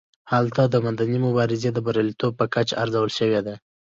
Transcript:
هلته د مدني مبارزې د بریالیتوب کچه ارزول شوې ده.